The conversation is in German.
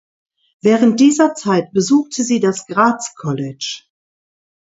Während dieser Zeit besuchte sie das Gratz College.